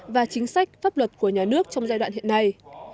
và chính sách pháp luật của nhà nước trong giai đoạn hiện nay